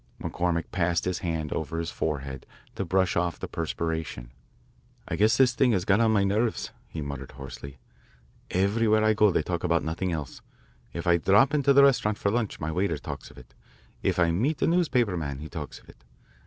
McCormick passed his hand over his forehead to brush off the perspiration. "I guess this thing has got on my nerves," he muttered hoarsely. " Everywhere I go they talk about nothing else. If I drop into the restaurant for lunch, my waiter talks of it. If I meet a newspaper man, he talks of it.